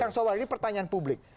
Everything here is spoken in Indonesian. kang sobar ini pertanyaan publik